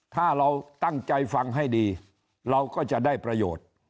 ถ้าเราตั้งใจฟังให้ดีเราก็จะได้ประโยชน์